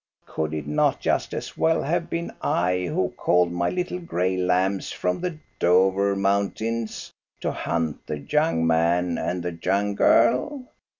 Could it not just as well have been I who called my little gray lambs from the Dovre moun tains to hunt the young man and the young girl?